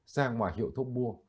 sang ngoài hiệu thuốc mua